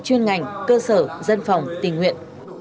chuyên ngành cơ sở dân phòng tình nguyện